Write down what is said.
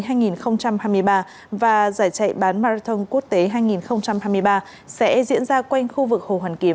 giải chạy bán marathon quốc tế hai nghìn hai mươi ba sẽ diễn ra quanh khu vực hồ hoàn kiếm